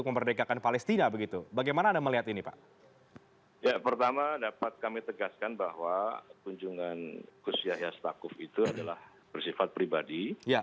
kami tegaskan bahwa kunjungan khus yahya setakuf itu adalah bersifat pribadi